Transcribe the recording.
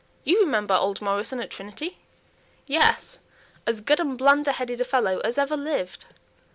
You remember old Morrison at Trinity?" "Yes; as good and blunder headed a fellow as ever lived."